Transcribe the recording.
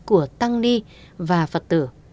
của tăng ni và phật tử